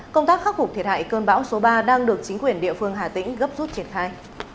công tác khắc phục thiệt hại cơn bão số ba đang được chính quyền địa phương hà tĩnh gấp rút triển khai